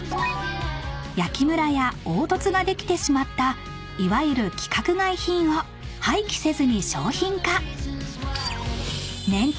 ［焼きむらや凹凸ができてしまったいわゆる規格外品を廃棄せずに商品化］